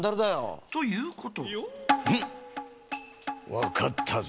わかったぞ。